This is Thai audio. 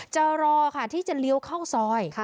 จะรอค่ะที่จะเลี้ยวเข้าซอย